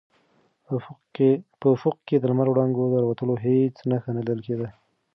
په افق کې د لمر وړانګو د راوتلو هېڅ نښه نه لیدل کېده.